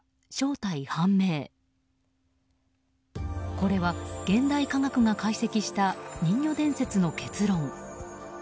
これは、現代科学が解析した人魚伝説の結論。